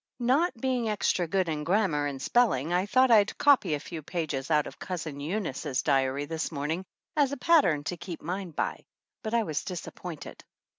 Not being extra good in grammar and spelling, I thought I'd copy a few pages out of Cousin Eunice's diary this morning as a pattern to keep mine by, but I was disappointed.